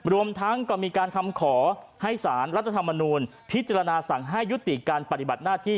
รวมทั้งก็มีการคำขอให้สารรัฐธรรมนูลพิจารณาสั่งให้ยุติการปฏิบัติหน้าที่